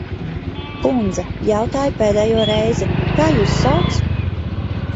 Kundze, jautāju pēdējo reizi, kā jūs sauc?